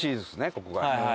ここが。